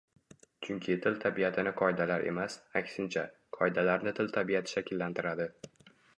Chunki til tabiatini qoidalar emas, aksincha, qoidalarni til tabiati shakllantiradi